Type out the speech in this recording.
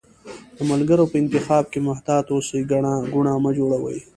د ملګرو په انتخاب کښي محتاط اوسی، ګڼه ګوڼه مه جوړوی